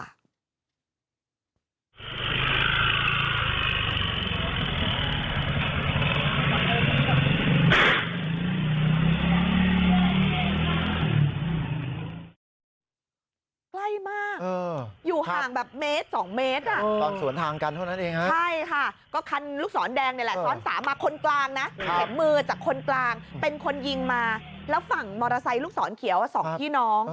ใกล้มากอยู่ห่างแบบเมตรสองเมตรอะใช่ค่ะคันลูกศรแดงนี่แหละซ้อน๓มาคนกลางนะแขกมือจากคนกลางเป็นคนยิงมาแล้วฝั่งมอเตอร์ไซค์ลูกศรเขียวสองพี่น้อง